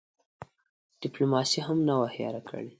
ډیپلوماسي هم نه وه هېره کړې.